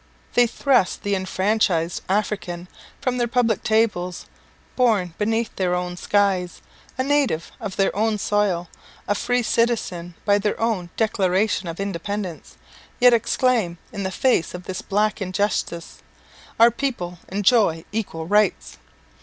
They thrust the enfranchised African from their public tables born beneath their own skies, a native of their own soil, a free citizen by their own Declaration of Independence; yet exclaim, in the face of this black injustice "Our people enjoy equal rights."